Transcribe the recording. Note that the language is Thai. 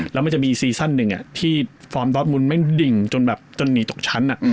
แล้วมันจะมีซีซั่นหนึ่งที่ฟอร์มดอสมุนไม่ดิ่งจนแบบจนหนีตกชั้น